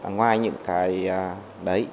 ngoài những cái đấy thì